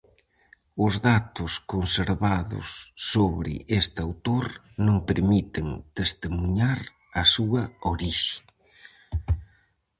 Os datos conservados sobre este autor non permiten testemuñar a súa orixe.